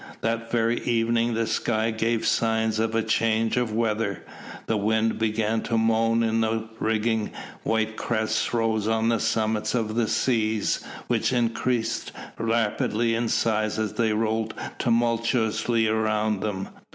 That very evening the sky gave signs of a change of weather. The wind began to moan in the rigging, white crests rose on the summits of the seas, which increased rapidly in size as they rolled tumultuously around them.